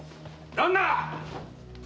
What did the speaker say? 旦那！